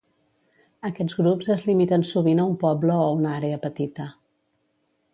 Aquests grups es limiten sovint a un poble o una àrea petita.